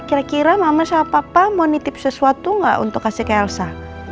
kira kira mama sama papa mau nitip sesuatu nggak untuk kasih ke elsa